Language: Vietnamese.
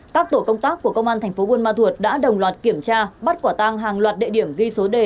các tổ công tác của công an tp bù ma thuật đã đồng loạt kiểm tra bắt quả tang hàng loạt địa điểm ghi số đề